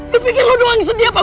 dipikir lu doang sedih apa